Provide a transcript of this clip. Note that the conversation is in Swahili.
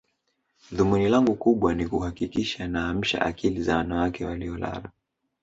Dhumuni langu kubwa ni kuhakikisha naamsha akili za wanawake waliolala